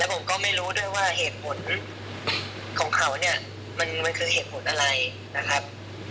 ผมก็ไม่รู้ด้วยว่าเหตุผลของเขาเนี่ยมันคือเหตุผลอะไรนะครับ